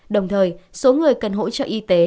đồng thời số người cần hỗ trợ y tế